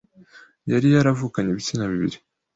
yari yaravukanye ibitsina bibiri,